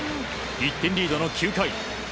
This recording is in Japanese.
１点リードの９回。